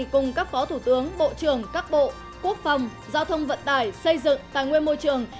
cùng các phó thủ tướng bộ trưởng các bộ quốc phòng giao thông vận tải xây dựng tài nguyên môi trường